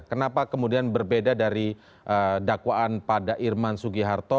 kenapa kemudian berbeda dari dakwaan pada irman sugiharto